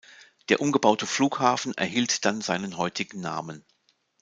Der umgebaute Flughafen erhielt dann seinen heutigen Namen.